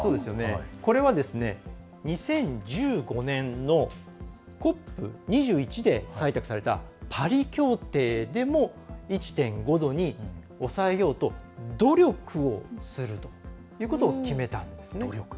これは、２０１５年のＣＯＰ２１で採択されたパリ協定でも１．５度に抑えようと努力をするということを決めたんですね。